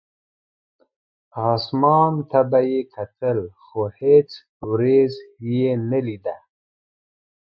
اسمان ته به یې کتل، خو هېڅ ورېځ یې نه لیده.